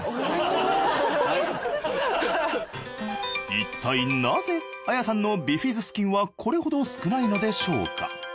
いったいなぜＡＹＡさんのビフィズス菌はこれほど少ないのでしょうか？